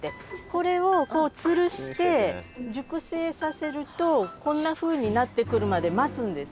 これをつるして熟成させるとこんなふうになってくるまで待つんですね。